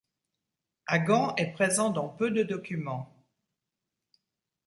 Agan est présent dans peu de documents.